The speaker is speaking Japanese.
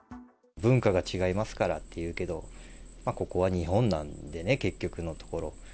文化が違いますからっていうけど、ここは日本なんでね、結局のところ。